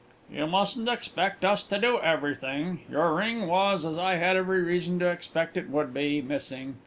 "You mustn't expect us to do everything. Your ring was, as I had every reason to expect it would be, missing.